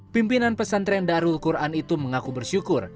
pimpinan pesantren darul quran itu mengaku bersyukur